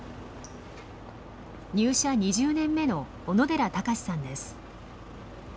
入社２０年目の小野寺毅さんです。